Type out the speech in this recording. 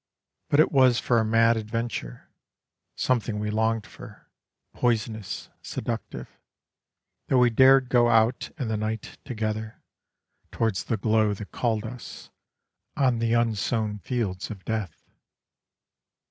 But it was for a mad adventure, Something we longed for, poisonous, seductive, That we dared go out in the night together, Towards the glow that called us, On the unsown fields of death.